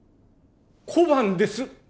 小判です。